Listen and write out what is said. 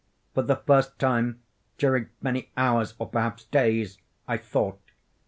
For the first time during many hours—or perhaps days—I thought.